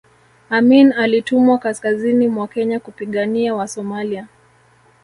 amin alitumwa kaskazini mwa kenya kupigania wasomalia